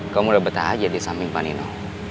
kamu udah betah aja di samping panino